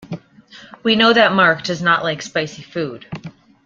We know that Mark does not like spicy food.